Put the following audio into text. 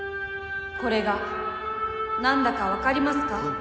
これが何だか分かりますか？